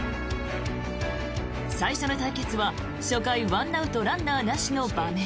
最初の対決は初回１アウトランナーなしの場面。